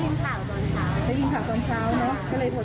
วิ่งผ่านหน้าร้านเราเลยเหรอ